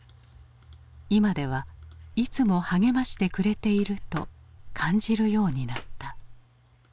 今ではいつも励ましてくれていると感じるようになった。